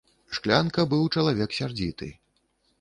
Шклянка быў чалавек сярдзіты.